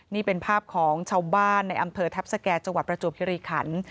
นี่เป็นภาพของชาวบ้านในอำเภอทัพสแก่จังหวัดประจวบคิริขัน